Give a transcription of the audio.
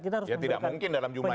kita harus memberikan pendidikan